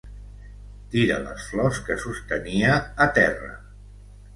Tira les flors que sostenia a terra.